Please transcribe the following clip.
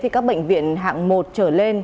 các bệnh viện hạng một trở lên